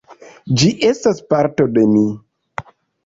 Ĝi estas parto de mi.